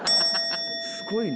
すごいな。